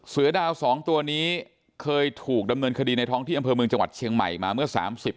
เสือดาวสองตัวนี้เคยถูกดำเนินคดีในท้องที่อำเภอเมืองจังหวัดเชียงใหม่มาเมื่อ๓๐